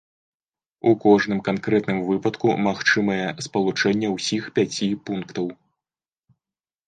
У кожным канкрэтным выпадку магчымае спалучэнне ўсіх пяці пунктаў.